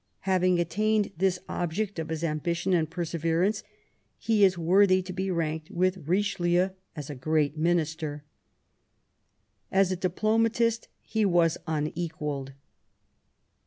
Having attained this object of his ambition and perseverance, he is worthy to be ranked with Eichelieu as a great minister. As a diplomatist he was unequalled.